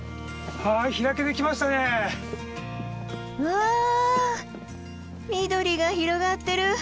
わあ緑が広がってる！